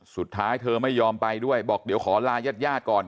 สุดท้ายเธอไม่ยอมไปด้วยบอกเดี๋ยวขอลาญญาติก่อน